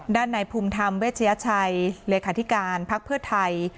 ในภูมิธรรมเวชยชัยเลขาธิการภักดิ์เพื่อไทย